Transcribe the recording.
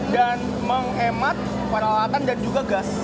dan menghemat kuali alatan dan juga gas